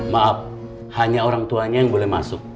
maaf hanya orang tuanya yang boleh masuk